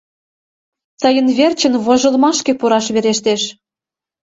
— Тыйын верчын вожылмашке пураш верештеш...